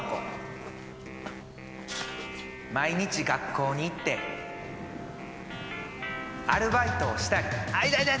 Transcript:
毎日学校に行ってアルバイトをしたりあ痛い痛い。